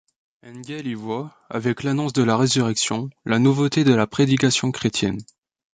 Hengel y voit, avec l’annonce de la résurrection, la nouveauté de la prédication chrétienne.